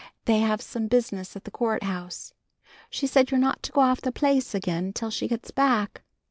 They have some business at the court house. She said you're not to go off the place again till she gets back.